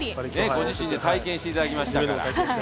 ご自身で体験していただきましたから。